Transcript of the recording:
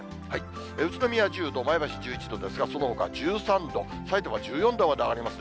宇都宮１０度、前橋１１度ですが、そのほか１３度、さいたま１４度まで上がりますね。